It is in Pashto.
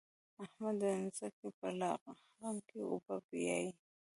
احمد د ځمکې په لغم کې اوبه بيايي.